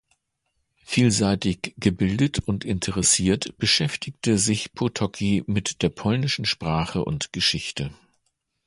Vielseitig gebildet und interessiert, beschäftigte sich Potocki mit der polnischen Sprache und Geschichte.